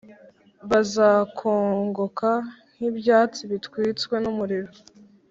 Bazakongoka nk’ibyatsi bitwitswe n’umuriro,